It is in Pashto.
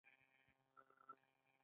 د هغه وخت خواړه به په دېګونو کې پخېدل.